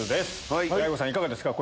いかがですか？